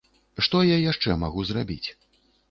Што я яшчэ магу зрабіць?